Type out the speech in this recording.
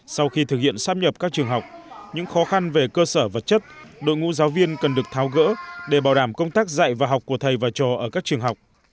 sau khi thực hiện sắp nhập các trường học những khó khăn về cơ sở vật chất đội ngũ giáo viên cần được tháo gỡ để bảo đảm công tác dạy và học của thầy và trò ở các trường học